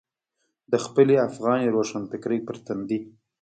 د خپلې افغاني روښانفکرۍ پر تندي.